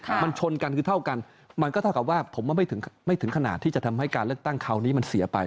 มันมันชนกันก็เท่ากันต้องเจอกับว่าผมก็ไม่ถึงขนาดที่จะทำให้การเลขตั้งพอมันเสียไป